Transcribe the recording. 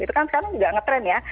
itu kan sekarang juga nge trend ya